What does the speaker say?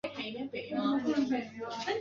谭雅婷是台湾女子射箭运动员。